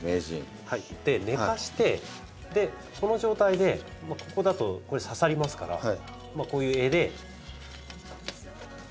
寝かせてこの状態でここだとこれ刺さりますからこういう柄で。